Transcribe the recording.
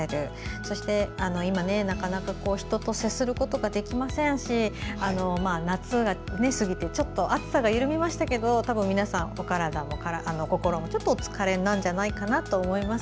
そして今、なかなか人と接することができませんし夏が過ぎて、ちょっと暑さが緩みましたけど皆さん、お体も心もちょっとお疲れじゃないかと思います。